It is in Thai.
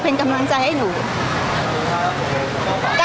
พี่ตอบได้แค่นี้จริงค่ะ